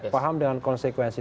paham dengan konsekuensi